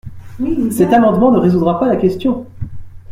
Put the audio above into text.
Cet amendement ne résoudra pas la question.